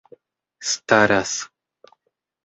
staras